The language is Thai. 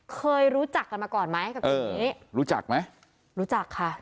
เคยรู้จักกันมาก่อนไหมกับกลุ่มนี้รู้จักไหมรู้จักค่ะ